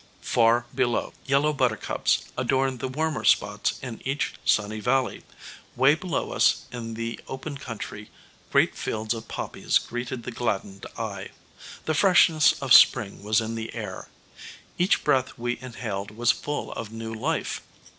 Far Below. Yellow buttercups adorned the warmer spots in each sunny valley. Way below us in the open country great fields of poppies greeted the gladdened eye. The freshness of spring was in the air. Each breath we inhaled was full of new life.